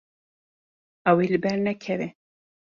Ew ê li ber nekeve.